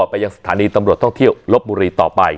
ไปยังสถานีตำรวจท่องเที่ยวลบบุรีต่อไป